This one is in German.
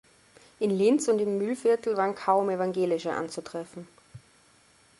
In Linz und im Mühlviertel waren kaum Evangelische anzutreffen.